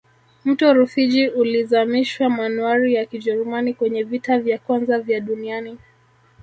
mto rufiji ulizamishwa manuari ya kijerumani kwenye vita vya kwanza vya duniani